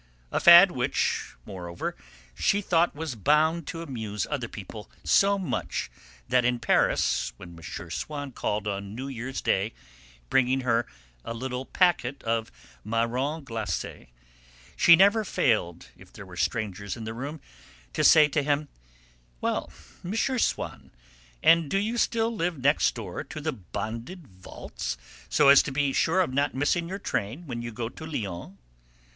A fad which, moreover, she thought was bound to amuse other people so much that in Paris, when M. Swann called on New Year's Day bringing her a little packet of marrons glacés, she never failed, if there were strangers in the room, to say to him: "Well, M. Swann, and do you still live next door to the Bonded Vaults, so as to be sure of not missing your train when you go to Lyons?"